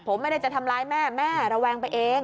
ผมไม่ได้จะทำร้ายแม่แม่ระแวงไปเอง